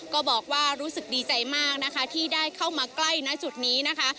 ก็บอกว่ารู้สึกดีใจมากนะคะที่ได้เข้ามาใกล้ณจุดนี้นะคะ